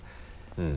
うん。